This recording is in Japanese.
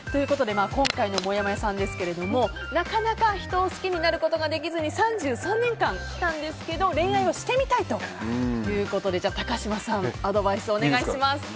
今回のもやもやさんですがなかなか人を好きになることができずに３３年間きたんですけど恋愛をしてみたいということで高嶋さんアドバイスをお願いします。